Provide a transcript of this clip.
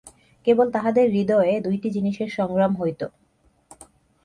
কেবল তাহাদের হৃদয়ে দুইটি জিনিষের সংগ্রাম হইত।